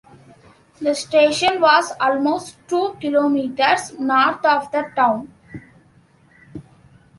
The station was almost two kilometres north of the town.